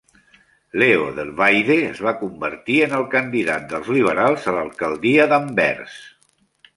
Leo Delwaide es va convertir en el candidat dels liberals a l'alcaldia d'Anvers.